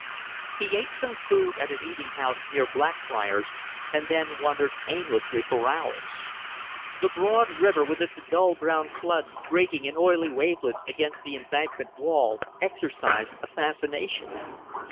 He ate some food at an eating house near Blackfriars, and then wandered aimlessly for hours. The broad river, with its dull brown flood breaking in oily wavelets against the embankment wall, exercised a fascination.